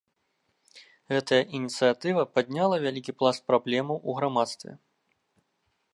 Гэтая ініцыятыва падняла вялікі пласт праблемаў у грамадстве.